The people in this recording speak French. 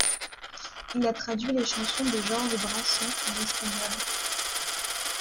Il a traduit les chansons de Georges Brassens en espagnol.